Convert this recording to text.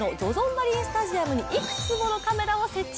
マリンスタジアムにいくつものカメラを設置。